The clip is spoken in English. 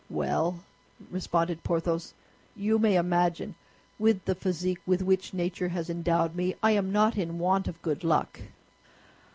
"Well," responded Porthos, "you may imagine, with the physique with which nature has endowed me, I am not in want of good luck."